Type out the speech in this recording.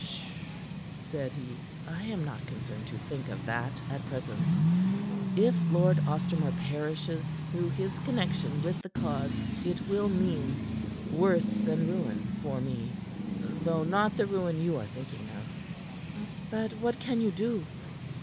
"Sh," said he. "I am not concerned to think of that at present. If Lord Ostermore perishes through his connection with the cause, it will mean worse than ruin for me though not the ruin that you are thinking of." "But what can you do?"